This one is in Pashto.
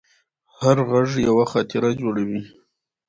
هر غږ یوه خاطره جوړوي.